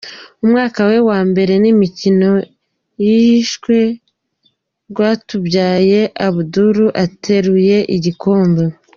Umwaka we wa mbere n'imikino micye Rwatubyaye Abdul ateruye igikombe.